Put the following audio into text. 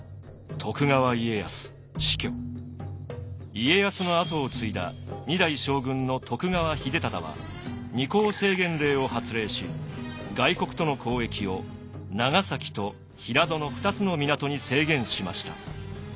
家康の跡を継いだ二代将軍の徳川秀忠は二港制限令を発令し外国との交易を長崎と平戸の２つの港に制限しました。